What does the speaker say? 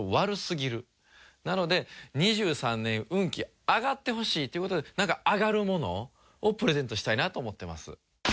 なので２３年運気上がってほしいという事でなんか上がるものをプレゼントしたいなと思ってます。